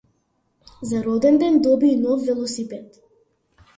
За роденден доби нов велосипед.